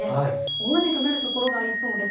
大雨となるところがありそうです。